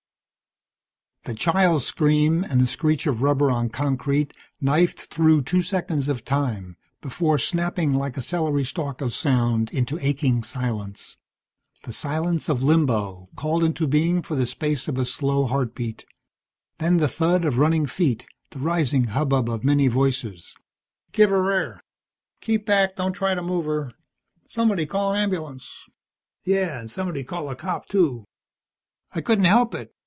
The child's scream and the screech of rubber on concrete knifed through two seconds of time before snapping, like a celery stalk of sound, into aching silence. The silence of limbo, called into being for the space of a slow heartbeat. Then the thud of running feet, the rising hubbub of many voices. "Give her air!" "Keep back. Don't try to move her." "Somebody call an ambulance." "Yeah, and somebody call a cop, too." "I couldn't help it."